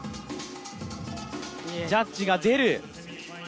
ジャッジが出る。